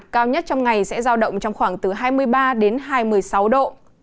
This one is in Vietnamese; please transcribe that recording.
cao nhất trong ngày sẽ giao động trong khoảng từ hai mươi ba đến hai mươi sáu độ